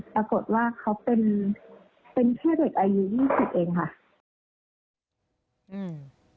ปรากฏว่าเขาเป็นแค่เด็กอายุ๒๐เองค่ะ